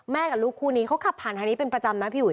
กับลูกคู่นี้เขาขับผ่านทางนี้เป็นประจำนะพี่อุ๋